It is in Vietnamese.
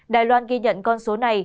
đài loan ghi nhận con số này